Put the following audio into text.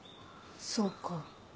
そうか。